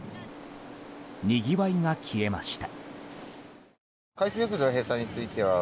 にぎわいが消えました。